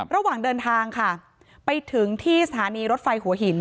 ระหว่างเดินทางค่ะไปถึงที่สถานีรถไฟหัวหิน